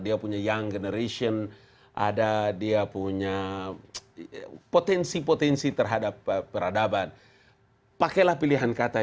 dia punya young generation ada dia punya potensi potensi terhadap peradaban pakailah pilihan kata